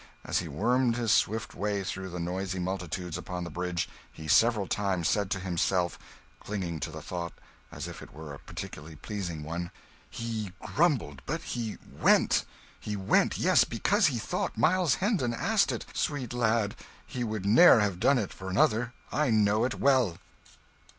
As he wormed his swift way through the noisy multitudes upon the Bridge he several times said to himself clinging to the thought as if it were a particularly pleasing one "He grumbled, but he went he went, yes, because he thought Miles Hendon asked it, sweet lad he would ne'er have done it for another, I know it well."